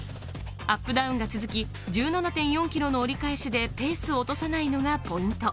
アップダウンが続き、１７．４ｋｍの繰り返しでペースを落とさないのがポイント。